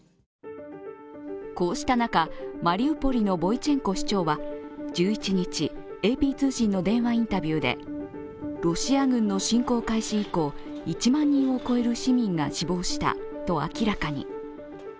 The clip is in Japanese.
こうした中、マリウポリのボイチェンコ市長は１１日、ＡＰ通信の電話インタビューでロシア軍の侵攻開始以降１万人を超える市民が死亡したと明らかに。